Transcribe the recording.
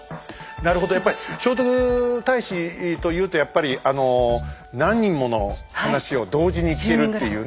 なるほどやっぱり聖徳太子というとやっぱり何人もの話を同時に聞けるっていうね。